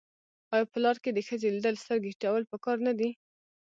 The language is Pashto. آیا په لار کې د ښځې لیدل سترګې ټیټول پکار نه دي؟